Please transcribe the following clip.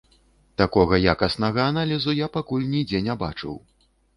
Такога якаснага аналізу я пакуль нідзе не бачыў.